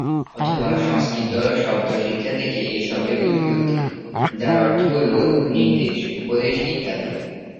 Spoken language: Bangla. অথবা সংস্কৃত শব্দ শিক্ষা থেকে এই শব্দের উৎপত্তি, যার অর্থ হলো নির্দেশ, উপদেশ ইত্যাদি।